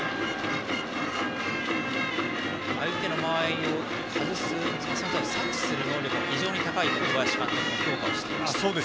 相手の間合いを察知する能力が非常に高いと小林監督も評価していました。